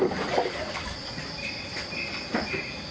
พร้อมทุกสิทธิ์